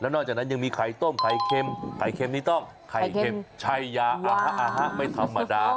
แล้วนอกจากนั้นยังมีไข่ต้มไข่เค็มไข่เค็มนี่ต้องไข่เค็มชัยยาฮะไม่ธรรมดา